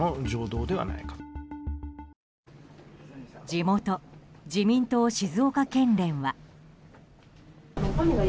地元・自民党静岡県連は。